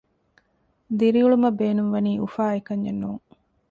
ދިރިއުޅުމަށް ބޭނުން ވަނީ އުފާ އެކަންޏެއް ނޫން